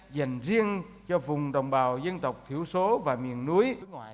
dành riêng cho vùng đồng bào dân tộc thiểu số và miền núi